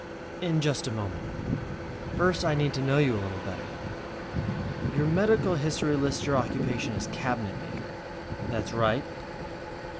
"In just a moment. First I need to know you a little better. Your medical history lists your occupation as 'cabinet maker'." "That's right."